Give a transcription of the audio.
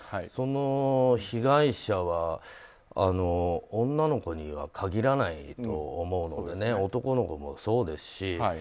その被害者は女の子には限らないと思うので男の子もそうですし。